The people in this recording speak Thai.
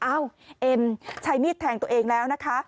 เอ้าเอ็มใช้มีดแทงตัวเองแล้วนะคะ